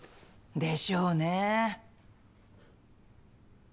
でしょうね。